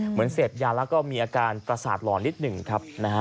เหมือนเสพยาแล้วก็มีอาการประสาทหล่อนิดหนึ่งครับนะฮะ